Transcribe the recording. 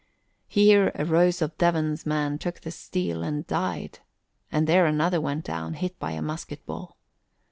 Here a Rose of Devon's man took the steel and died, and there another went down, hit by a musket ball.